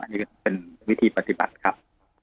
นี่ก็เป็นวิธีปฏิบัติครับ